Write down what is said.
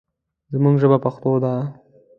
زموږ ژبه پښتو ده.